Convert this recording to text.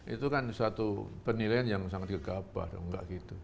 itu kan satu penilaian yang sangat gegabah